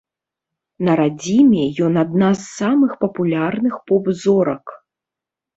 На радзіме ён адна з самых папулярных поп-зорак.